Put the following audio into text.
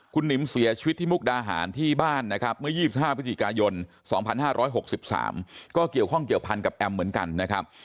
คุณหนิมเสียชีวิตที่มุกดาหารที่บ้านนะครับเมื่อ๒๕พฤศจิกายน๒๕๖๓ก็เกี่ยวข้องเกี่ยวพันกับแอมเหมือนกันนะครับ